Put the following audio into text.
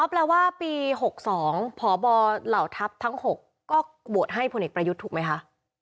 แปลว่าปี๖๒พบเหล่าทัพทั้ง๖ก็โหวตให้พลเอกประยุทธ์ถูกไหมคะ